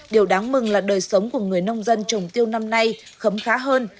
điều đáng mừng là đời sống của người nông dân trồng tiêu năm nay khấm khá hơn